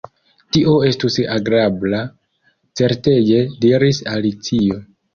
"Tio estus agrabla, certege," diris Alicio.